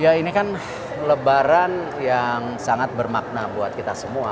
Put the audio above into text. ya ini kan lebaran yang sangat bermakna buat kita semua